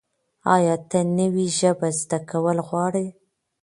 ایا ته نوې ژبه زده کول غواړې؟